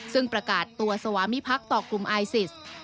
ซึ่งประกาศตัวสวามิพักษ์ต่อกลุ่มไอซิส